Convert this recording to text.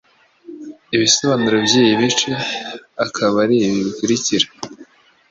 Ibisobanuro by'ibi bice akaba ari ibi bikurikira